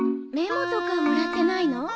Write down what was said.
メモとかもらってないの？